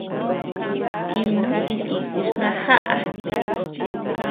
Dinu jinikus najaʼa.